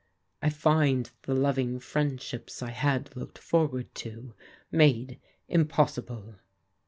I find the loving friendships I had looked forward to made impossible."